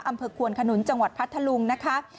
อำเภอควนขนุนจังหวัดพัทธลุงนะคะ